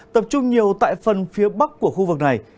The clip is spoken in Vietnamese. tập trung nhiều tại phần phía bắc của khu vực này